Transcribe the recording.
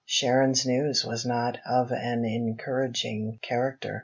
SHARON'S news was not of an encouraging character.